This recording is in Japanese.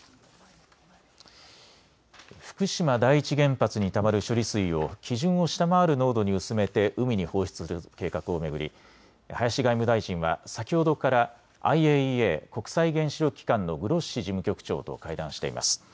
福島第一原発にたまる処理水を基準を下回る濃度に薄めて海に放出する計画を巡り林外務大臣は先ほどからＩＡＥＡ・国際原子力機関のグロッシ事務局長と会談しています。